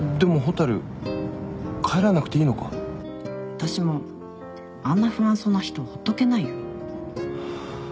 私もあんな不安そうな人ほっとけないよ。